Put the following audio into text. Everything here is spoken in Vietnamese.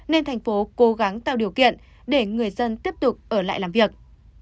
nên thành phố cố gắng tạo điều kiện để người dân tiếp tục ở lại làm việc